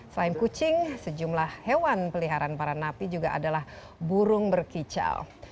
selain kucing sejumlah hewan peliharaan para napi juga adalah burung berkicau